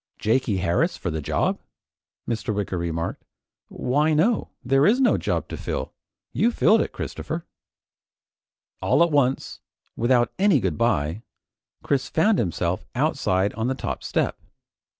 "Jakey Harris for the job?" Mr. Wicker remarked, "Why no there is no job to fill. You filled it, Christopher!" And all at once, without any good bye, Chris found himself outside on the top step.